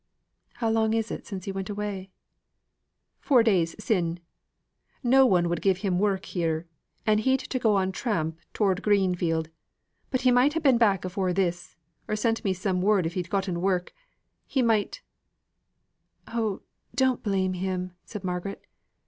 "How long is it since he went away?" "Four days sin'. No one would give him work here, and he'd to go on tramp toward Greenfield. But he might ha' been back afore this, or sent me some word if he'd getten work. He might " "Oh, don't blame him," said Margaret.